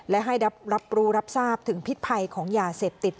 และให้รับรู้รับทราบถึงพิษภัยของยาเสพติด